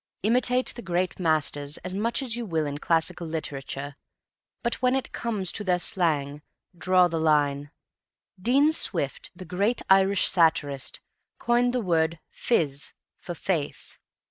Imitate the great masters as much as you will in classical literature, but when it comes to their slang, draw the line. Dean Swift, the great Irish satirist, coined the word "phiz" for face.